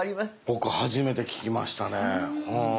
僕初めて聞きましたねはい。